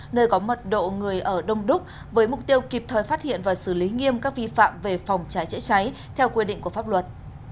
nơi có mật độ người ở đông đúc với mục tiêu kịp thời phát hiện và xử lý nghiêm các vi phạm về phòng cháy chữa cháy theo quy định của pháp luật